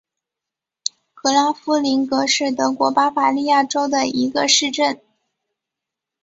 格拉夫林格是德国巴伐利亚州的一个市镇。